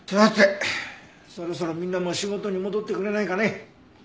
さてそろそろみんなも仕事に戻ってくれないかね。